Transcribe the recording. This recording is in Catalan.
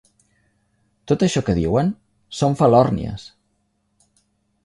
Tot això que diuen són falòrnies.